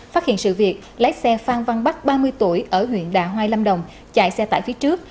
phát hiện sự việc lái xe phan văn bắc ba mươi tuổi ở huyện đà hoai lâm đồng chạy xe tải phía trước